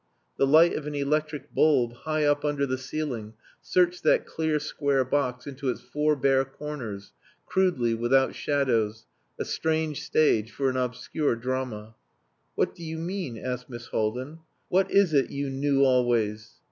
The light of an electric bulb high up under the ceiling searched that clear square box into its four bare corners, crudely, without shadows a strange stage for an obscure drama. "What do you mean?" asked Miss Haldin. "What is it that you knew always?"